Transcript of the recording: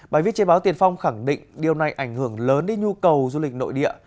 bài viết trên báo tiền phong khẳng định điều này ảnh hưởng lớn đến nhu cầu du lịch nội địa